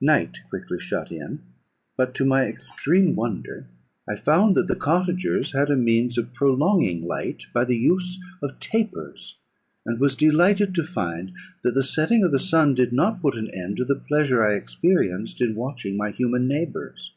"Night quickly shut in; but, to my extreme wonder, I found that the cottagers had a means of prolonging light by the use of tapers, and was delighted to find that the setting of the sun did not put an end to the pleasure I experienced in watching my human neighbours.